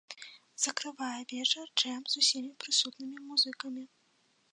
Закрывае вечар джэм з усімі прысутнымі музыкамі.